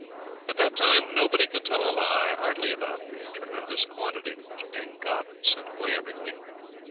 At that time nobody could tell a lie hardly about the tremendous quantity that was being got and sent away every week.